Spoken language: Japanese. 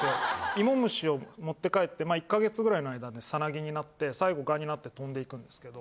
イモムシを持って帰ってまあ１か月ぐらいの間でサナギになって最後蛾になって飛んでいくんですけど。